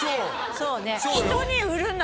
そうね